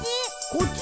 「こっち？」